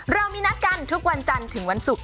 เรามีนัดกันทุกวันจันทร์ถึงวันศุกร์